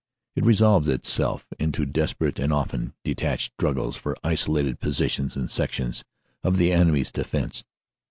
It resolved it self into desperate and often detached struggles for isolated positions and sections of the enemy s defense.